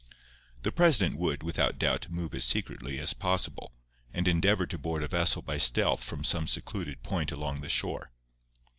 The president would, without doubt, move as secretly as possible, and endeavour to board a vessel by stealth from some secluded point along the shore.